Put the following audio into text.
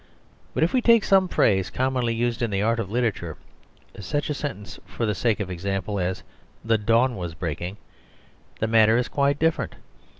But if we take some phrase commonly used in the art of literature such a sentence, for the sake of example, as "the dawn was breaking" the matter is quite different.